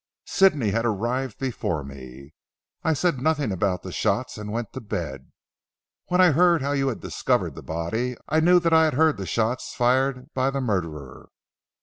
Sidney had arrived before me. I said nothing about the shots, and went to bed. When I heard how you had discovered the body, I knew that I had heard the shots fired by the murderer.